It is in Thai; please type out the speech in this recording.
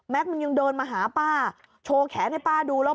มันยังเดินมาหาป้าโชว์แขนให้ป้าดูแล้ว